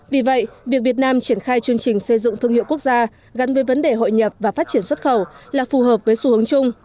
vì vậy việc việt nam triển khai chương trình xây dựng thương hiệu quốc gia gắn với vấn đề hội nhập và phát triển xuất khẩu là phù hợp với xu hướng chung